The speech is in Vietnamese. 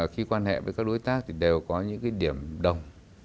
khi quan hệ với các đối tác thì đều có những điểm đồng